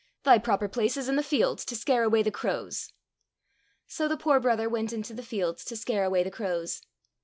Thy proper place is in the fields to scare away the crows !" So the poor brother went into the fields to scare away the crows.